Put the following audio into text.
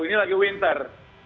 ini lagi winter